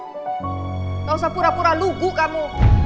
tidak usah pura pura lugu kamu